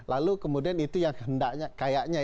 lalu kemudian itu yang hendaknya kayaknya